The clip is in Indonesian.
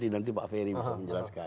nanti pak ferry bisa menjelaskan